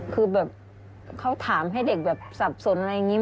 คือแบบเขาถามให้เด็กแบบสับสนอะไรอย่างนี้